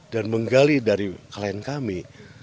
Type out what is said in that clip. dan menggali dari klien kami